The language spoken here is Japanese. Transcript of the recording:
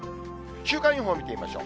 週間予報を見てみましょう。